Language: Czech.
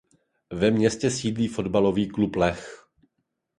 Ve městě sídlí fotbalový klub Lech.